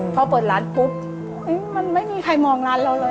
พอเปิดร้านปุ๊บมันไม่มีใครมองร้านเราเลย